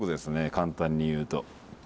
簡単に言うと。